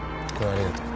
ありがとう。